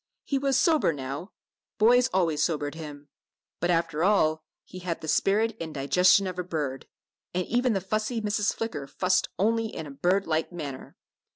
He was sober now boys always sobered him. But after all, he had the spirit and digestion of a bird, and even the fussy Mrs. Flicker fussed only in a bird like manner.